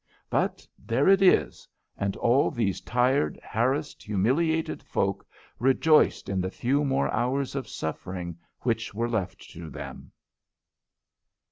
But there it is, and all these tired, harassed, humiliated folk rejoiced in the few more hours of suffering which were left to them.